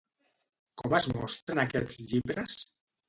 Com el mostren aquests llibres?